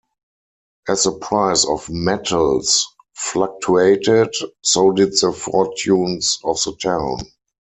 As the price of metals fluctuated, so did the fortunes of the town.